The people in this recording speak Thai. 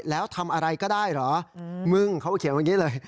แล้วทำอะไรก็ได้เหรอมึงเขาก็เขียนอย่างนี้เลย